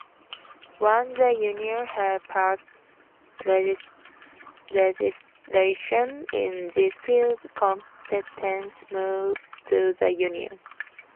Once the Union has passed legislation in these fields competence moves to the Union.